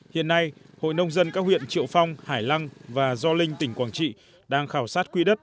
hiện nay hội nông dân các huyện triệu phong hải lăng và do linh tỉnh quảng trị đang khảo sát quỹ đất